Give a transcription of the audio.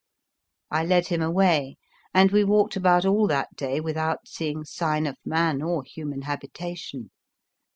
'' I led him away, and we walked about all that day without seeing sign of man or human habitation.